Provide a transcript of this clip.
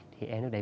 thì em lúc đấy